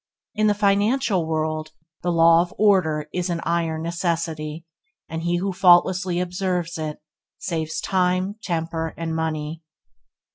In the financial world, the law of order is an iron necessity, and he who faultlessly observes it, saves time, temper, and money.